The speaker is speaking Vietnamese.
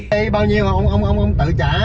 tại đây bao nhiêu ông tự trả